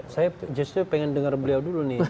saya justru pengen dengar beliau dulu nih